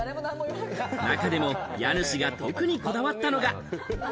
中でも家主が特にこだわったのが。